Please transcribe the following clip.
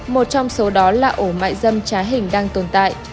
một trong số đó là ổ mại dâm trá hình đang tồn tại